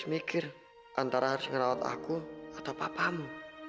juga jadi harus mikir antara harus ngerawat aku atau papamu